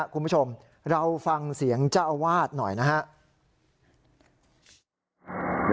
คุณผู้ชมเราฟังเสียงเจ้าอาวาสหน่อยนะครับ